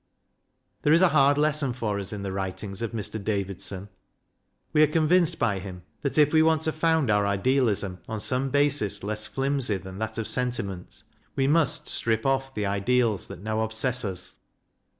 There is a hard lesson for us in the writings of Mr. Davidson. We are convinced by him that if we want to found our idealism on some basis less flimsy than that of sentiment, we must strip off the ideals that now obsess us.